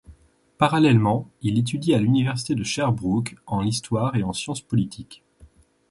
Parallèlement, il étudie à l’université de Sherbrooke en histoire et sciences politiques.